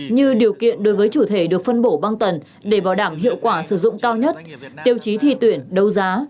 như điều kiện đối với chủ thể được phân bổ băng tần để bảo đảm hiệu quả sử dụng cao nhất tiêu chí thi tuyển đấu giá